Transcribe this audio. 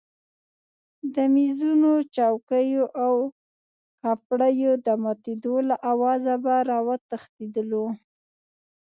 د مېزونو چوکیو او کپړیو د ماتېدو له آوازه به راویښېدلو.